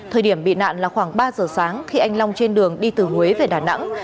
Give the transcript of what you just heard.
thời điểm bị nạn là khoảng ba giờ sáng khi anh long trên đường đi từ huế về đà nẵng